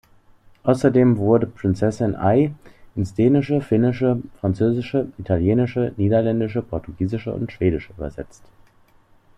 Außerdem wurde "Princess Ai" ins Dänische, Finnische, Französische, Italienische, Niederländische, Portugiesische und Schwedische übersetzt.